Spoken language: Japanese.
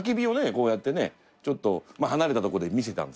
こうやってねちょっと離れたとこで見せたんですけど